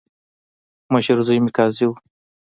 مشر زوی مې قاضي وو.